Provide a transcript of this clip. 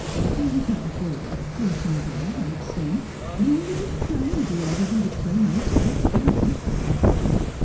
I was not a bold, flirting girl, like some, and I would have died rather than betray myself to him.